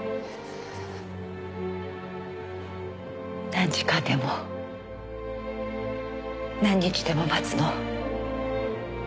何時間でも何日でも待つの。